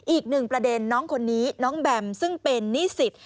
อีกหนึ่งประเด็นน้องคนนี้น้องแบมซึ่งเป็นนิสิต